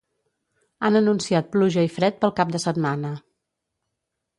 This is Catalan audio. Han anunciat pluja i fred pel cap de setmana.